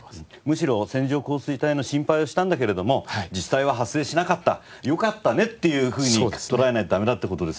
むしろ線状降水帯の心配をしたんだけれども「実際は発生しなかった。よかったね」っていうふうに捉えないとダメだって事ですよね。